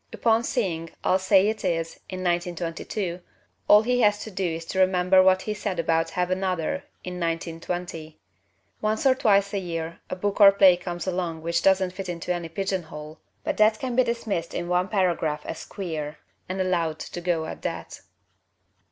Upon seeing "I'll Say It Is" in 1922 all he has to do is to remember what he said about "Have Another" in 1920. Once or twice a year a book or play comes along which doesn't fit into any pigeonhole, but that can be dismissed in one paragraph as "queer" and allowed to go at that.